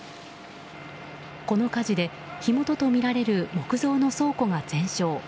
この火事で火元とみられる木造の倉庫が全焼。